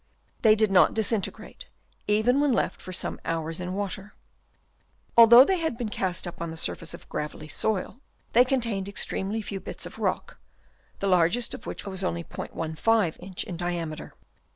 They did not disintegrate, even when left for some hours in water. Although they had been cast up on the surface of gravelly soil, they contained extremely few bits of rock, the largest of which was only '15 inch in diameter.